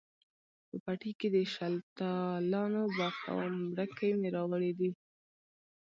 په پټي کښې د شلتالانو باغ کوم، ډکي مې راوړي دي